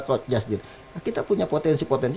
coach justin kita punya potensi potensi